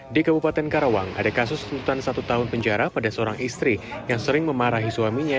di kabupaten karawang ada kasus tuntutan satu tahun penjara pada seorang istri yang sering memarahi suaminya